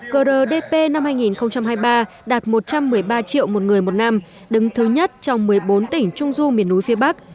grdp năm hai nghìn hai mươi ba đạt một trăm một mươi ba triệu một người một năm đứng thứ nhất trong một mươi bốn tỉnh trung du miền núi phía bắc